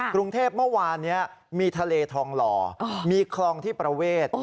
กรุงเทพเมื่อวานนี้มีทะเลทองหล่อมีคลองที่ประเวท